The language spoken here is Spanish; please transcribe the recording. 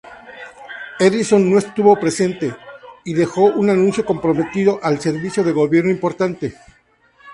Edison no estuvo presente; y dejó un anuncio "comprometido al servicio de gobierno importante".